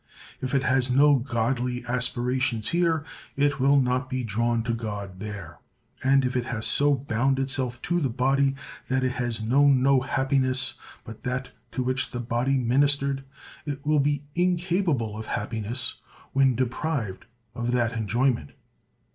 If it has had no godly aspirations here, it will not be drawn to God there; and if it has so bound itself to the body that it has known no happiness but that to which the body ministered, it will be incapable of happiness when deprived of that enjoyment.